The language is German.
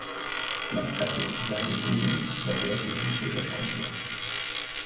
Gleichzeitig sage ich den Jungs, dass sie euch über die Schulter schauen sollen.